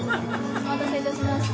お待たせいたしました。